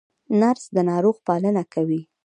نرس د ناروغ پالنه کوي